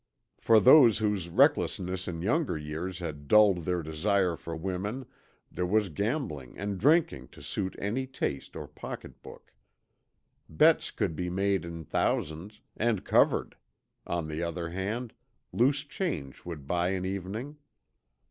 For those whose recklessness in younger years had dulled their desire for women, there was gambling and drinking to suit any taste or pocketbook. Bets could be made in thousands, and covered; on the other hand, loose change would buy an evening.